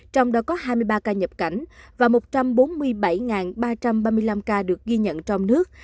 trong đó có hai mươi ba ca nhập cảnh và một trăm bốn mươi bảy ba trăm ba mươi năm ca được ghi nhận trong nước